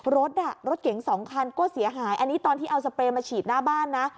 รถรถเก๋งสองคันก็เสียหายอันนี้ตอนที่เอาสเปรย์มาฉีดหน้าบ้านนะ